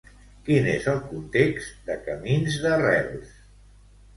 Quin és el context de Camins d'arrels?